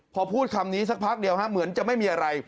พอพูดคำนี้สักพักเดียวเหมือนจะไม่มีอะไร